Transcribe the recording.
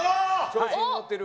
「調子に乗ってる」